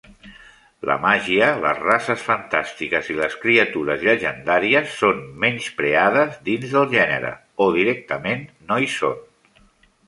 La màgia, les races fantàstiques i les criatures llegendàries són menyspreades dins del gènere, o directament no hi són.